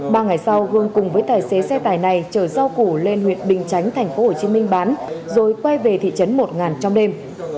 ba ngày sau hương cùng với tài xế xe tài này chở rau củ lên huyện bình chánh tp hcm bán rồi quay về thị trấn một trong đêm